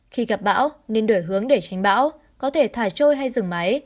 khi gặp bão nên đổi hướng để tránh bão có thể thả trôi hay dừng máy